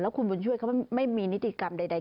คุณบุญช่วยเขาไม่มีนิติกรรมใด